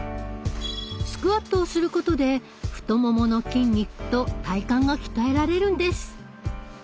スクワットをすることで太ももの筋肉と体幹が鍛えられるんです。